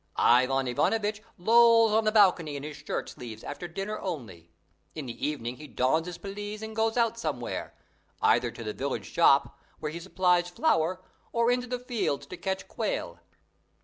Ivan Ivanovitch lolls on the balcony in his shirt sleeves after dinner only: in the evening he dons his pelisse and goes out somewhere, either to the village shop, where he supplies flour, or into the fields to catch quail.